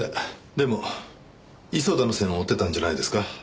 でも磯田の線を追ってたんじゃないんですか？